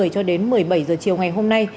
cho đến một mươi bảy h chiều ngày hôm nay